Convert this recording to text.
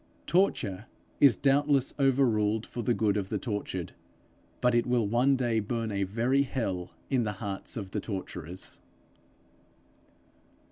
Torture is doubtless over ruled for the good of the tortured, but it will one day burn a very hell in the hearts of the torturers.